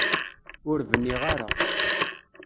Ur bniɣ ara.